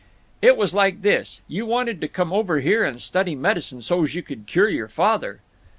"It was like this: You wanted to come over here and study medicine so's you could cure your father."